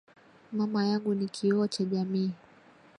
Mama yangu ni kioo cha jamii.